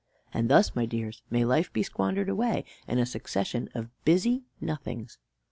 And thus, my dears, may life be squandered away, in a succession of busy nothings.